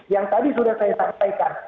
yang tadi sudah saya sampaikan